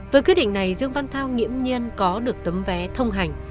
với quyết định này dương văn thao nghiễm nhiên có được tấm vé thông hành